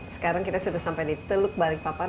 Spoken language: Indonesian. sekarang kita sudah sampai di teluk balikpapan